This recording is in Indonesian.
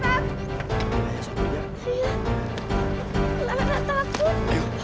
lari lantai aku